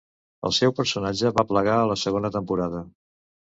El seu personatge va plegar a la segona temporada.